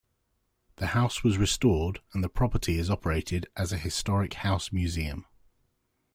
The house was restored and the property is operated as a historic house museum.